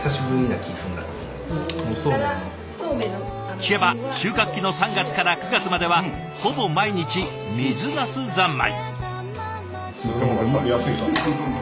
聞けば収穫期の３月から９月まではほぼ毎日水なす三昧。